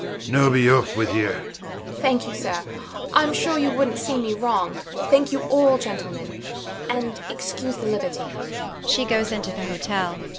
Now be off with you. THE MAID. Thank you, sir. I'm sure you wouldnt see me wronged. Thank you all, gentlemen; and excuse the liberty.